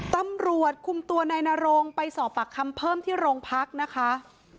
ตำรวจคุมตัวนายนรงไปสอบปากคำเพิ่มที่โรงพักนะคะ